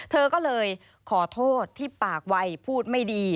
เธอก็เลยขอโทษที่ปากวัยพูดไม่ดี